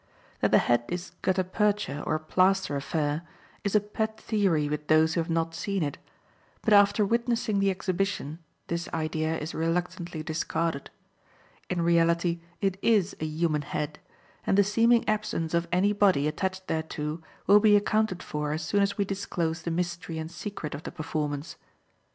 That the head is a gutta percha or plaster affair, is a pet theory with those who have not seen it, but after witnessing the exhibition this idea is reluctantly discarded. In reality it is a human head, and the seeming absence of any body attached thereto will be accounted for as soon as we disclose the mystery and secret of the performance.